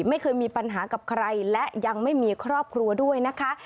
ไม่เคยมีปัญหากับใครและยังไม่มีครอบครัวด้วยนะคะ